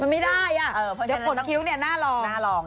มันไม่ได้อะเดี๋ยวผลขี้เนี่ยหน้ารอง